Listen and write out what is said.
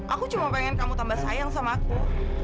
aku cuma pengen kamu tambah sayang sama aku